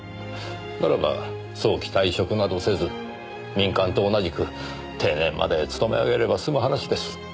ならば早期退職などせず民間と同じく定年まで勤め上げれば済む話です。